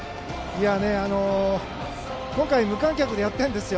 今回無観客でやってるんです。